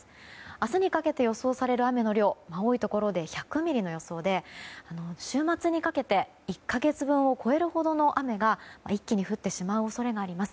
明日にかけて予想される雨の量は多いところで１００ミリの予想で週末にかけて１か月分を超えるほどの雨が一気に降ってしまう恐れがあります。